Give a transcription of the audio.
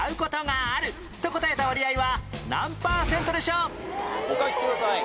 普段お書きください。